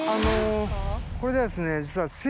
これがですね実は。